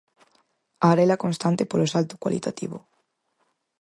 A arela constante polo salto cualitativo.